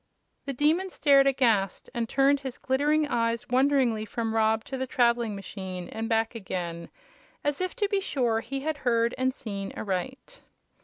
The Demon stared aghast and turned his glittering eyes wonderingly from Rob to the traveling machine and back again, as if to be sure he had heard and seen aright.